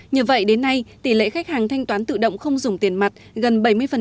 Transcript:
nhờ vậy đến nay tỷ lệ khách hàng thanh toán tự động không dùng tiền mặt gần bảy mươi